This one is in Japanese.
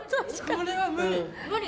これは無理。